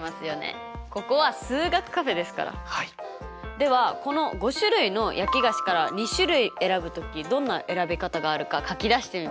ではこの５種類の焼き菓子から２種類選ぶ時どんな選び方があるか書き出してみましょう。